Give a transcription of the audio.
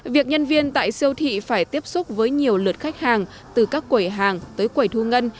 việc nhân viên tại siêu thị phải tiếp xúc với nhiều lượt khách hàng từ các quầy hàng tới quẩy thu ngân